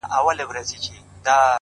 هوښیار فکر شخړې راکموي.!